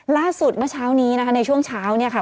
เมื่อเช้านี้นะคะในช่วงเช้าเนี่ยค่ะ